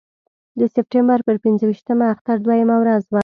د سپټمبر پر پنځه ویشتمه اختر دویمه ورځ وه.